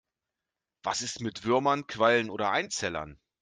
Was ist mit Würmern, Quallen oder Einzellern?